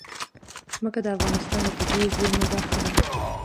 ځمکه د افغانستان د طبیعي زیرمو برخه ده.